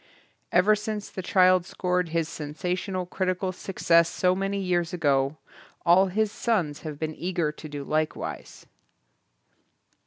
Ever since the child scored his sensational critical success so many years ago, all his sons have been eager to do likewise.